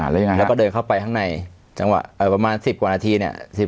แล้วก็เดินเข้าไปข้างในประมาณ๑๐กว่านาทีเนี่ย